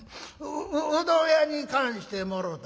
「ううどん屋に燗してもろた」。